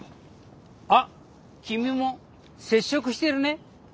あっ君も節食してるね？